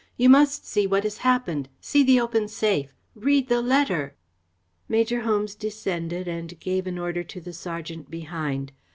You must see what has happened see the open safe read the letter!" Major Holmes descended and gave an order to the sergeant behind.